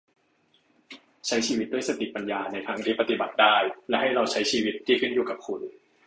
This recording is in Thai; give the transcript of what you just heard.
ใช้ชีวิตด้วยสติปัญญาในทางที่ปฏิบัติได้ และให้เราใช้ชีวิตที่ขึ้นอยู่กับคุณ